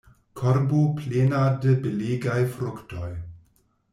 Korbo plena de belegaj fruktoj!